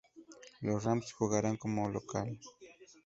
Los Rams jugarán como local.